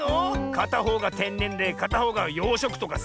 かたほうがてんねんでかたほうがようしょくとかさ。